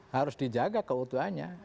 harus dijaga keutuhannya